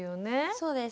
そうです。